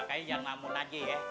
makanya jangan ngelamun aja ya